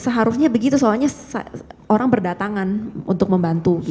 seharusnya begitu soalnya orang berdatangan untuk membantu